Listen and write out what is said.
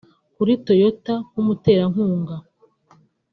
Kuri Toyota nk’umuterankunga